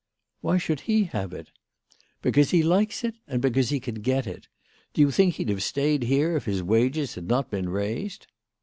" Why should he have it ?" "Because he likes it, and because he can get it. Do you think he'd have stayed here if his wages had not been raised